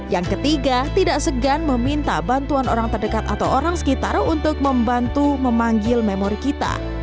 yang ketiga tidak segan meminta bantuan orang terdekat atau orang sekitar untuk membantu memanggil memori kita